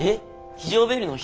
非常ベルの人？